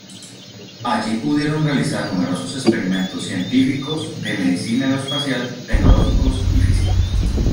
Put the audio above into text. Allí pudieron realizar numerosos experimentos científicos, de medicina aeroespacial, tecnológicos y físicos.